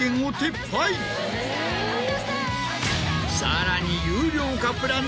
さらに。